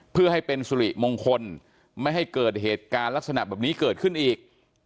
เพื่อให้เป็นสุริมงคลไม่ให้เกิดเหตุการณ์ลักษณะแบบนี้เกิดขึ้นอีก